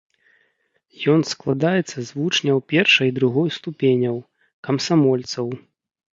Ён складаецца з вучняў першай і другой ступеняў, камсамольцаў.